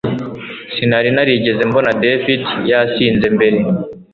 Sinari narigeze mbona David yasinze mbere